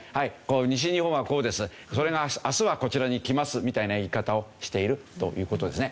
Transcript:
「西日本はこうです。それが明日はこちらに来ます」みたいな言い方をしているという事ですね。